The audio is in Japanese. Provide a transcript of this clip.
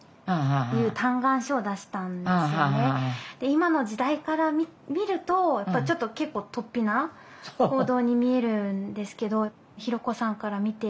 今の時代から見るとちょっと結構とっぴな行動に見えるんですけど弘子さんから見て。